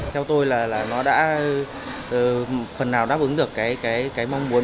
theo tôi là nó đã phần nào đáp ứng được cái mong muốn